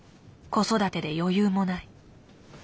子育てで余裕もない。